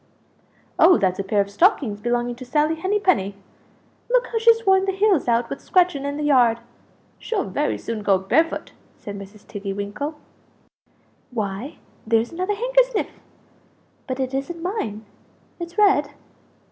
"Oh, that's a pair of stockings belonging to Sally Henny penny look how she's worn the heels out with scratching in the yard! She'll very soon go barefoot!" said Mrs. Tiggy winkle. "Why, there's another handkersniff but it isn't mine; it's red?"